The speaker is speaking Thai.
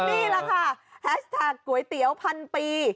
นี่แหละค่ะแฮชแท็กก๋วยเตี๋ยวพันปี